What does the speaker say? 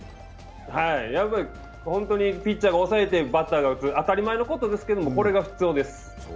本当にピッチャーが抑えて、バッターが打つ、当たり前のことですけどこれが普通です。